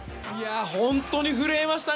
本当に震えました。